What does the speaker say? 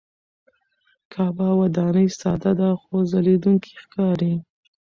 کعبه وداني ساده ده خو ځلېدونکې ښکاري.